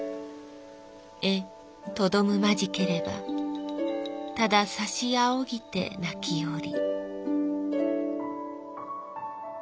えとどむまじければたださしあふぎて泣きをり」。